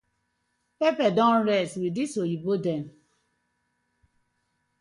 Pepper don rest wit dis oyibo dem.